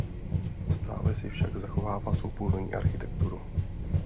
Stále si však zachovává svou původní architekturu.